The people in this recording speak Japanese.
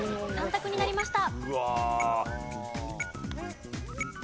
２択になりました。